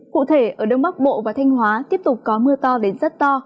cụ thể ở đông bắc bộ và thanh hóa tiếp tục có mưa to đến rất to